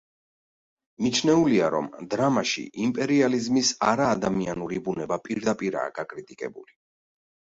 მიჩნეულია, რომ დრამაში იმპერიალიზმის არაადამიანური ბუნება პირდაპირაა გაკრიტიკებული.